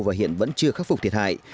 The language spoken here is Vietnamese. và hiện vẫn chưa được chống chọi